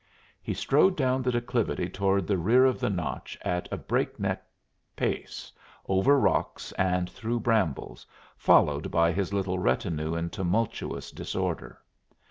He strode down the declivity toward the rear of the Notch at a break neck pace, over rocks and through brambles, followed by his little retinue in tumultuous disorder.